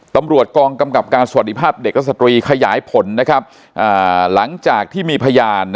ตำรวจกองกำกับการสวัสดีภาพเด็กและสตรีขยายผลหลังจากที่มีพยาน